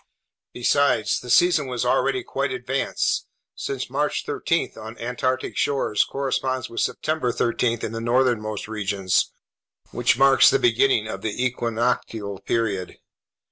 Besides, the season was already quite advanced, since March 13 on Antarctic shores corresponds with September 13 in the northernmost regions, which marks the beginning of the equinoctial period.